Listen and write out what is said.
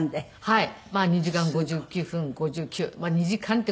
はい。